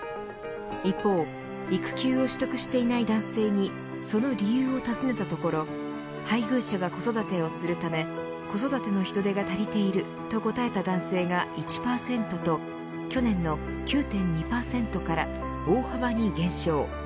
一方育休を取得していない男性にその理由を尋ねたところ配偶者が子育てをするため子育ての人手が足りていると答えた男性が１％と去年の９．２％から大幅に減少。